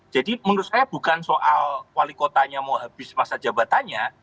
jadi menurut saya bukan soal wali kotanya mau habis masa jabatannya